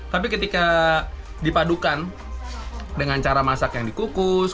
tapi ketika dipadukan dengan cara masak yang dikukus